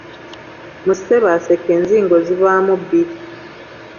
Mu Ssebaaseka enzingo ziba mu bbiri.